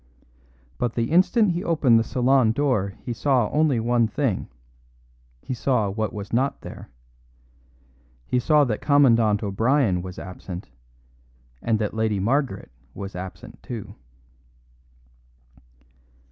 But the instant he opened the salon door he saw only one thing he saw what was not there. He saw that Commandant O'Brien was absent, and that Lady Margaret was absent too.